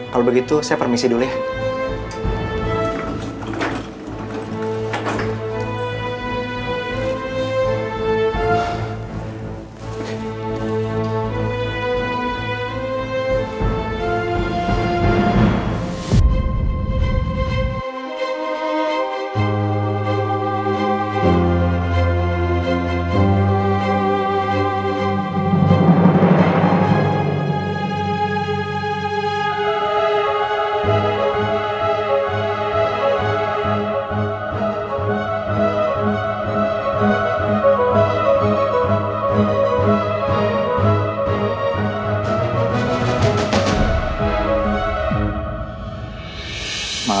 kalau begitu saya permisi dulu ya